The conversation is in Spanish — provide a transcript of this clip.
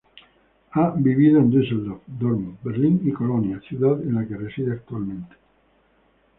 Ha vivido en Düsseldorf, Dortmund, Berlín y Colonia, ciudad en la que reside actualmente.